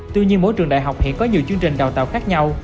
tuy nhiên mỗi trường đại học hiện có nhiều chương trình đào tạo khác nhau